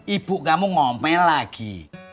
ibu kamu ngomel lagi